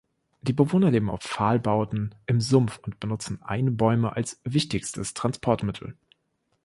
Die Bewohner leben auf Pfahlbauten im Sumpf und benutzten Einbäume als wichtigstes Transportmittel.